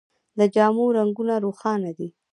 د جامو رنګونه روښانه دي.